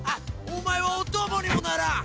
お前はお供にもならん！